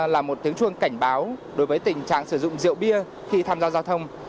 là một tiếng chuông cảnh báo đối với tình trạng sử dụng rượu bia khi tham gia giao thông